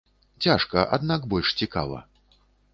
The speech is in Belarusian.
Цяжка, аднак больш цікава.